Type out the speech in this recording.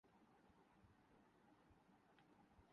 cricket میں کرپٹ ترین بکیز بھارتی ہیں ائی سی سی عہدیدار